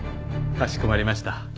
かしこまりました。